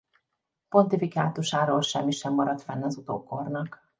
Pontifikátusáról semmi sem maradt fenn az utókornak.